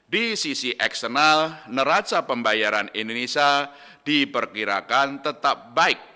di sisi eksternal neraca pembayaran indonesia diperkirakan tetap baik